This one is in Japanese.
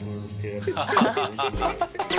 ハハハハ！